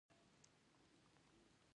هغوی د بدلونو واک لرلو، خو ونه یې کاراوه.